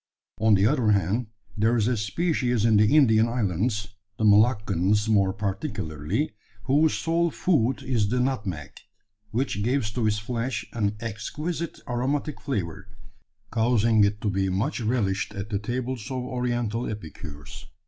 On the other hand, there is a species in the Indian islands the Moluccas more particularly whose sole food is the nutmeg, which gives to its flesh an exquisite aromatic flavour, causing it to be much relished at the tables of Oriental epicures.